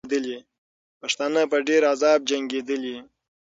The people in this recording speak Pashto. پښتانه په ډېر عذاب جنګېدلې.